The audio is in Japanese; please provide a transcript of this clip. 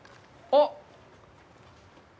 あっ！